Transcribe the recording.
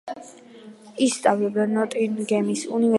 ის სწავლობდა ნოტინგემის უნივერსიტეტში.